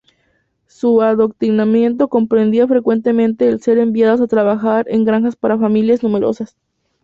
Su adoctrinamiento comprendía frecuentemente el ser enviadas a trabajar en granjas para familias numerosas.